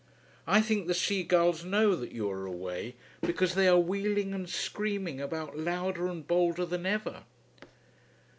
I think the sea gulls know that you are away, because they are wheeling and screaming about louder and bolder than ever.